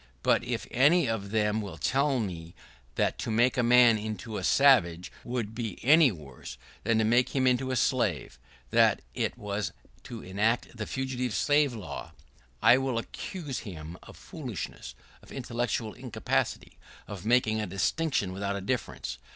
But if any of them will tell me that to make a man into a sausage would be much worse — would be any worse — than to make him into a slave — than it was to enact the Fugitive Slave Law, I will accuse him of foolishness, of intellectual incapacity, of making a distinction without a difference.